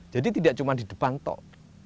jadi tidak cuma di depan tok